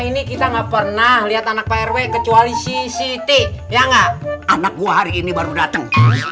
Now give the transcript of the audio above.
ini kita enggak pernah lihat anak prw kecuali si siti ya enggak anak gua hari ini baru dateng